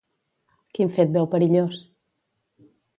Quin fet veu perillós?